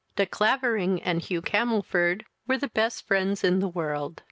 De Clavering and Hugh Camelford were the best friends in the world.